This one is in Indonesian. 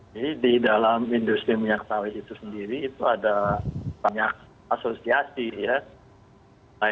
jadi di dalam industri minyak sawit itu sendiri itu ada banyak asosiasi ya